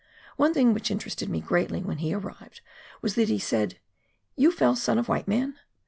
One thing which interested me greatly, when he arrived, was that he said, " You fell' son of white man